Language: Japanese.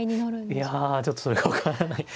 いやちょっとそれが分からない。